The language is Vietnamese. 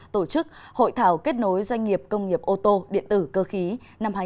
tổ chức hội thảo kết nối doanh nghiệp công nghiệp ô tô điện tử cơ khí năm hai nghìn hai mươi